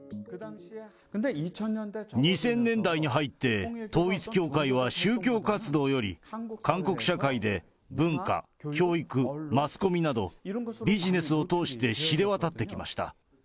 ２０００年代に入って、統一教会は宗教活動より、韓国社会で文化、教育、マスコミなど、ビジネスを通して知れ渡ってきました。